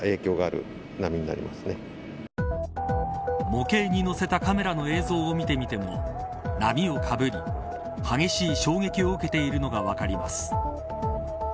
模型にのせたカメラの映像を見てみても波をかぶり、激しい衝撃を受けているのが分かります。